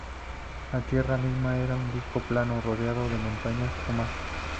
La tierra misma era un disco plano, rodeado de montañas o mar.